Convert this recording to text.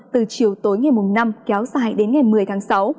từ chiều tối ngày năm kéo dài đến ngày một mươi tháng sáu